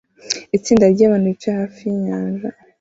Itsinda ryabantu bicaye hafi yinyanja